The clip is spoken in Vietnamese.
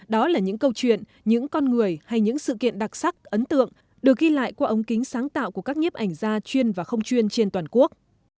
đó là những câu chuyện những con người hay những sự kiện đặc sắc ấn tượng được ghi lại qua ống kính sáng tạo của các nhiếp ảnh gia chuyên và không chuyên trên toàn quốc